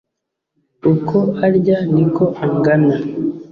Uko arya ni ko angana